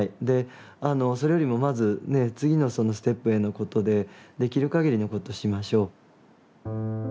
であのそれよりもまずね次のそのステップへのことでできる限りのことしましょう。